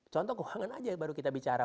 contoh keuangan aja baru kita bicara